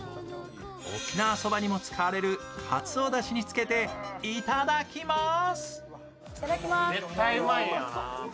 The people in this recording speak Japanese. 沖縄そばにも使われるかつおだしにつけていただきます。